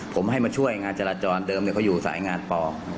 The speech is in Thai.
ผมให้มาช่วยงานจราจรเดิมเขาอยู่สายงานป